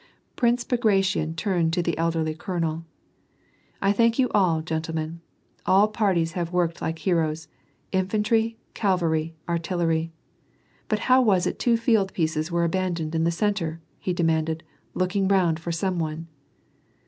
Prince Bagration turned to the elderly colonel. " I thank you all, gentlemen ; all parties have worked like heroes : infantry, cavalry, and artillery. But how was it two field pieces were abandoned in the centre ?" he demanded, look ing round for some one.